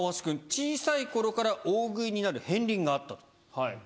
小さい頃から大食いになる片鱗があったと。